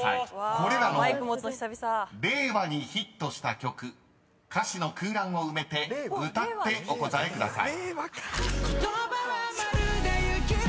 ［これらの令和にヒットした曲歌詞の空欄を埋めて歌ってお答えください］